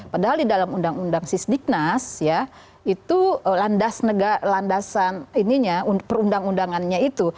padahal di dalam undang undang sisdiknas ya itu landasan perundang undangannya itu